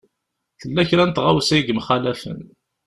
Tella kra n tɣawsa i yemxalafen.